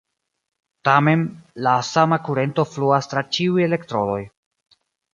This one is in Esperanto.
Tamen, la sama kurento fluas tra ĉiuj elektrodoj.